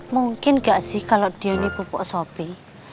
mungkin gak sih kalau dia ini pupuk sopi